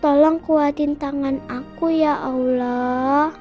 tolong kuatin tangan aku ya allah